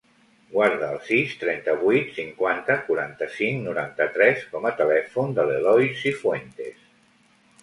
Guarda el sis, trenta-vuit, cinquanta, quaranta-cinc, noranta-tres com a telèfon de l'Eloy Cifuentes.